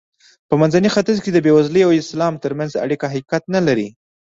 په منځني ختیځ کې د بېوزلۍ او اسلام ترمنځ اړیکه حقیقت نه لري.